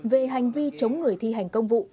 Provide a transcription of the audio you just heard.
về hành vi chống người thi hành công vụ